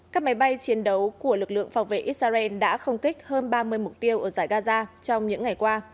các máy bay chiến đấu của lực lượng phòng vệ israel đã không kích hơn ba mươi mục tiêu ở giải gaza trong những ngày qua